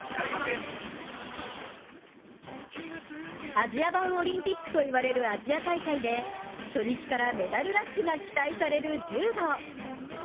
アジア版オリンピックといわれるアジア大会で初日からメダルラッシュが期待される柔道。